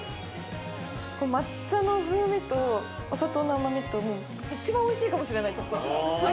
抹茶の風味とお砂糖の甘みといちばんおいしいかもしれない。